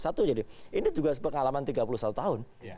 satu jadi ini juga pengalaman tiga puluh satu tahun